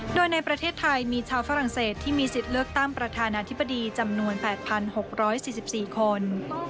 โดยในประเทศไทยมีชาวฝรั่งเศสที่มีสิทธิ์เลือกตั้งประธานาธิบดีจำนวน๘๖๔๔คน